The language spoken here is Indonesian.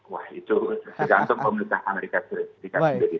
wah itu tergantung pemerintah amerika serikat sendiri